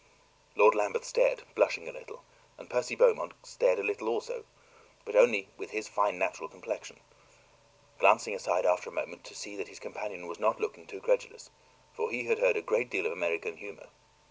Lord Lambeth stared, blushing a little; and Percy Beaumont stared a little also but only with his fine natural complexion glancing aside after a moment to see that his companion was not looking too credulous, for he had heard a great deal of American humor.